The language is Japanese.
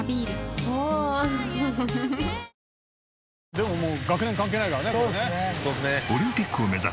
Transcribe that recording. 「でももう学年関係ないからねこれね」